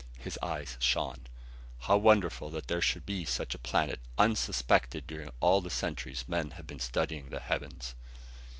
His eyes shone. "How wonderful that there should be such a planet, unsuspected during all the centuries men have been studying the heavens!"